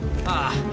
ああ。